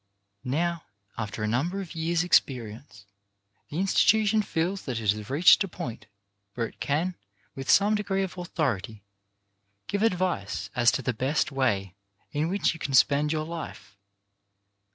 Now, after a number of years' experience, the institution feels that it has reached a point where it can, with some degree of authority, give advice as to the best way in which you can spend your life.